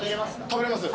食べれます。